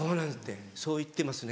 そう言ってますね。